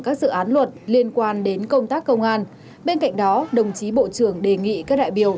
các dự án luật liên quan đến công tác công an bên cạnh đó đồng chí bộ trưởng đề nghị các đại biểu